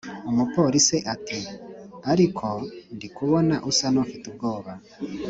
umupolice ati”ariko ndikubona usa nufite ubwoba